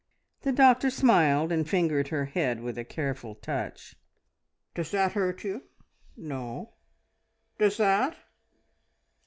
The doctor smiled, and fingered her head with a careful touch. "Does that hurt you? No? Does that?